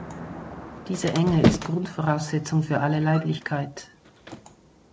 Diese Enge ist Grundvoraussetzung für alle Leiblichkeit.